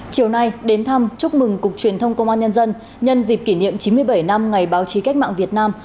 chiều nay đến thăm chúc mừng cục truyền thông công an nhân dân nhân dịp kỷ niệm chín mươi bảy năm ngày báo chí cách mạng việt nam